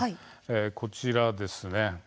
こちらです。